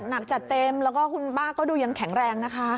หนักจัดเต็มแล้วก็คุณป้าก็ดูยังแข็งแรงนะคะ